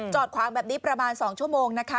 ขวางแบบนี้ประมาณ๒ชั่วโมงนะคะ